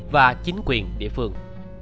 và chính quyền địa phương